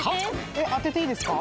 えっ当てていいですか？